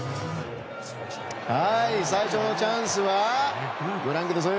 最初のチャンスはご覧ください。